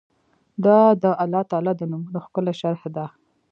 دا د الله تعالی د نومونو ښکلي شرح ده